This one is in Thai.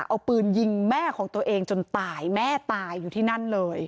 เอาปืนยิงแม่ของตัวเองจนตายแม่ตายอยู่ที่นั่นเลย